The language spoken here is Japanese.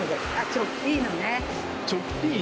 チョッピーノは。